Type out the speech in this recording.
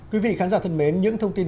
quý vị khán giả thân mến những thông tin